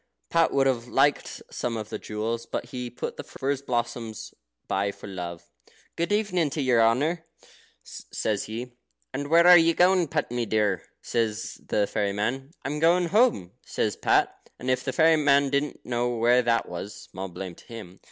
Pat would have liked some of the jewels, but he put the furze blossoms by for love. "Good evening to your honour," says he. "And where are you going, Pat, dear?" says the fairy man. "I'm going home," says Pat. And if the fairy man didn't know where that was, small blame to him.